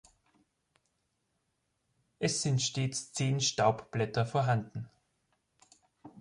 Es sind stets zehn Staubblätter vorhanden.